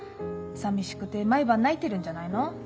さみしくて毎晩泣いてるんじゃないの？